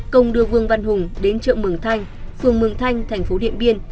công đưa vương văn hùng đến chợ mường thanh phường mường thanh thành phố điện biên